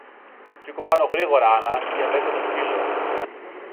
Σήκω πάνω γρήγορα, Άννα, και δέσε το σκύλο